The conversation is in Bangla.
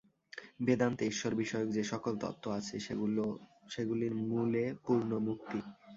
বেদান্তে ঈশ্বরবিষয়ক যে-সকল তত্ত্ব আছে, সেগুলির মূলে পূর্ণ মুক্তি।